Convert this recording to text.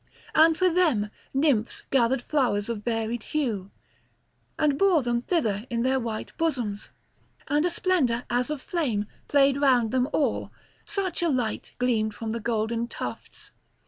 And for them nymphs gathered flowers of varied hue and bore them thither in their white bosoms; and a splendour as of flame played round them all, such a light gleamed from the golden tufts.